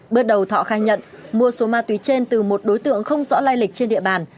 bước đầu thọ khai nhận mua số ma túy trên từ một đối tượng không rõ lai lịch trên địa bàn